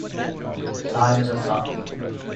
Times are tough.